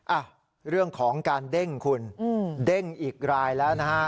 อ่ะเรื่องของการเด้งคุณเด้งอีกรายแล้วนะฮะ